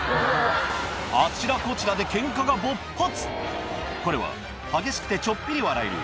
あちらこちらでケンカが勃発これは激しくてちょっぴり笑える